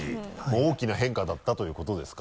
大きな変化だったということですか？